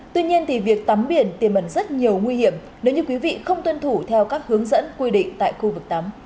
tuy nhiên thì việc tắm biển tiềm ẩn rất nhiều nguy hiểm nếu như quý vị không tuân thủ theo các hướng dẫn quy định tại khu vực tắm